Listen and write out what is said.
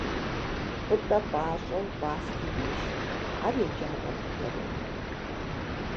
Пӏытӏэ пӏащӏэу пӏастэ ешх, ар еджапӏэм къыкӏэроху.